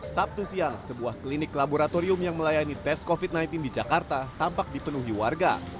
sabtu siang sebuah klinik laboratorium yang melayani tes covid sembilan belas di jakarta tampak dipenuhi warga